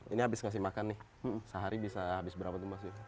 ini habis ngasih makan nih sehari bisa habis berapa tuh mas